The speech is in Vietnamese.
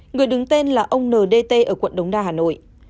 người đứng tên là ông n d t ở quận đống đa hà nội